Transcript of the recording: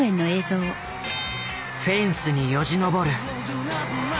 フェンスによじ登る。